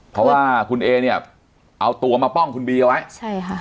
เพราะว่าคุณเอเนี่ยเอาตัวมาป้องคุณบีเอาไว้ใช่ค่ะ